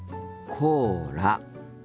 コーラ。